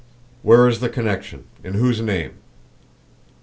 "Where is the connection? In whose name?"